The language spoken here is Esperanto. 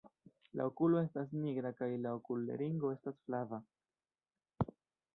La okulo estas nigra kaj la okulringo estas flava.